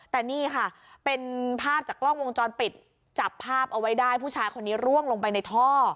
แต่นี่ค่ะเป็นภาพจากกล้องวงจรปิดจับภาพเอาไว้ได้ผู้ชายคนนี้ร่วงลงไปในท่อ